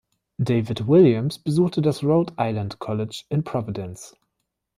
David Williams besuchte das Rhode Island College in Providence.